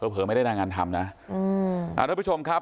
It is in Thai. เผลอไม่ได้ด่างานทำนะ